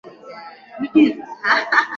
Ndani ya beseni kulikua na risasi